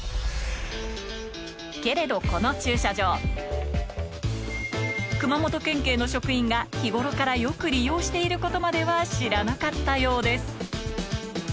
けれどこの駐車場熊本県警の職員が日頃からよく利用していることまでは知らなかったようです